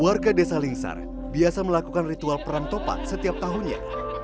warga desa lingsar biasa melakukan ritual perang topak setiap tahunnya